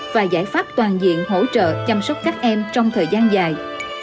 và giải pháp toàn diện hỗ trợ chăm sóc các em trong thời gian dài